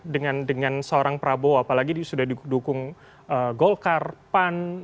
dengan seorang prabowo apalagi sudah didukung golkar pan